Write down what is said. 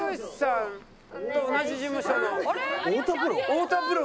太田プロ？